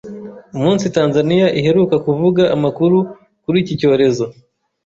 umunsi Tanzania iheruka kuvuga amakuru kuri iki cyorezo,